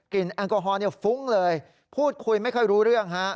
แอลกอฮอล์ฟุ้งเลยพูดคุยไม่ค่อยรู้เรื่องฮะ